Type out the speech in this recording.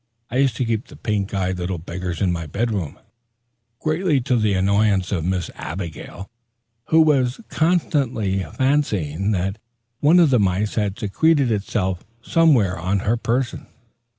I used to keep the pink eyed little beggars in my bedroom, greatly to the annoyance of Miss Abigail, who was constantly fancying that one of the mice had secreted itself somewhere about her person.